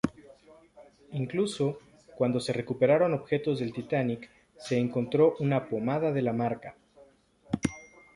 Incluso, cuando se recuperaron objetos del Titanic se encontró una pomada de la marca.